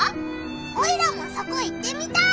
オイラもそこ行ってみたい！